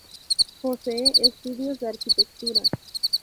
Posee estudios de Arquitectura.